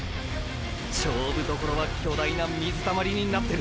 勝負所は巨大な水たまりになってる。